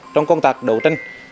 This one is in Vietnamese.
trong công tác đấu tranh